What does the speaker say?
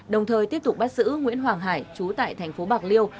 đồng thời tiếp tục bắt giữ nguyễn hoàng hải chú tại thành phố bạc liêu